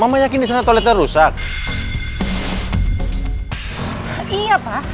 aduh papa gak boleh masuk ke dalam